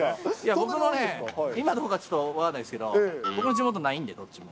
僕のね、今、ちょっと分かんないですけど、僕の地元ないんでどっちも。